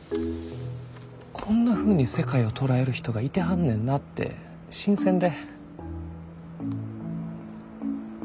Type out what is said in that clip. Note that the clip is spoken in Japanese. こんなふうに世界を捉える人がいてはんねんなて新鮮で。